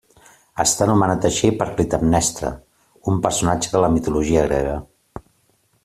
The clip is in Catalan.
Està anomenat així per Clitemnestra, un personatge de la mitologia grega.